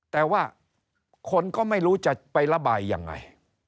แต่ว่าคนก็ไม่รู้จะไประบายยังไง